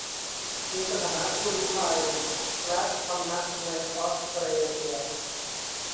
มีสถานะผู้ลี้ภัยและพำนักในออสเตรเลีย